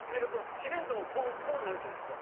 自然とこうなるじゃないですか。